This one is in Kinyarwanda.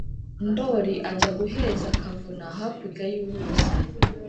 ndoli ajya guheza kavuna hakurya y' uruzi,